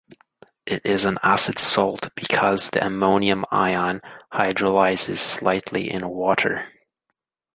It is an acid salt because the ammonium ion hydrolyzes slightly in water.